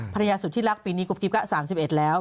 ภรรยาสุดที่รักปีนี้กรุ๊ปกริ๊ปก็๓๑แล้ว